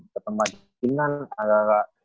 ketempat gym kan agak agak